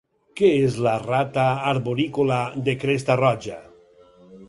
Què és la rata arborícola de cresta roja?